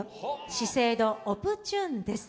資生堂オプチューンです。